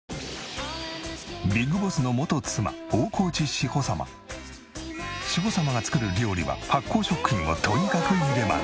志保様が作る料理は発酵食品をとにかく入れまくる。